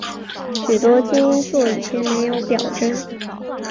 许多基因座以前没有表征。